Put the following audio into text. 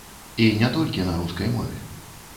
І не толькі на рускай мове.